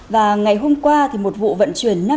và ngày hôm qua thì một vụ vận chuyển